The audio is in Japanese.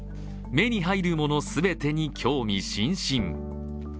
目に入るもの全てに興味津々。